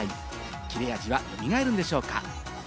切れ味はよみがえるんでしょうか？